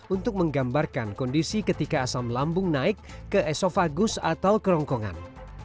untuk menggambarkan kondisi ketika asam lambung naik ke esofagus atau kerongkongan